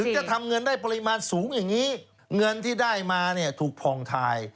จะทำเงินได้ปริมาณสูงอย่างนี้เงินที่ได้มาเนี่ยถูกผ่องทาย